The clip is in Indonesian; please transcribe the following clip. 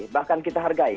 bahkan kita hargai